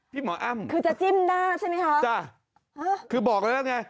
หมออ้ำคือจะจิ้มหน้าใช่ไหมคะจ้ะฮะคือบอกแล้วไง